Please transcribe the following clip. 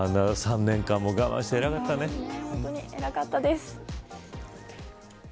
３年間も我慢して本当に偉かったです。